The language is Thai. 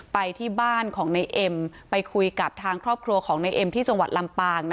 ไปที่บ้านของในเอ็มไปคุยกับทางครอบครัวของในเอ็มที่จังหวัดลำปาง